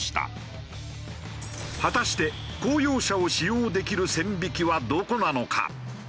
果たして公用車を使用できる線引きはどこなのか？